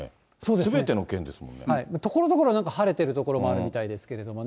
すべての県ですもんところどころ、晴れてる所もあるみたいですけれどもね。